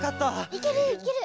いけるいける！